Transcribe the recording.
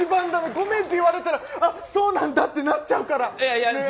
ごめんって言われたらそうなんだってなっちゃうから。